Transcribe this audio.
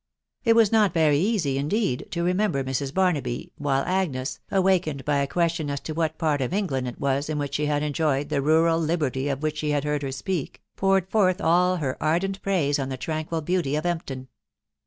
It was not n«tj wsj* ve&»sk> v p $10 THE WIDOW BARNABY. remember Mrs. Barnaby, while Agnes, awakened by a question as to what part of England it was in which she had enjoyed the rural liberty of which he had heard her speak, poured forth all her ardent praise on the tranquil beauty of Empton.